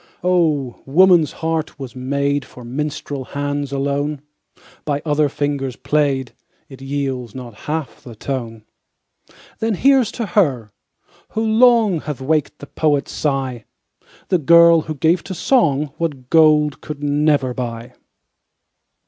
Oh! woman's heart was made For minstrel hands alone; By other fingers played, It yields not half the tone. Then here's to her, who long Hath waked the poet's sigh, The girl who gave to song What gold could never buy.